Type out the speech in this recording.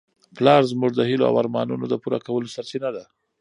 پلار زموږ د هیلو او ارمانونو د پوره کولو سرچینه ده.